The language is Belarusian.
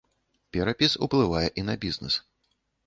Перапіс уплывае і на бізнес.